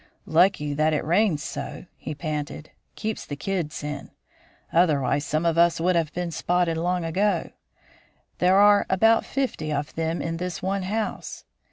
"Lucky that it rains so," he panted; "keeps the kids in. Otherwise some of us would have been spotted long ago. There are about fifty of them in this one house."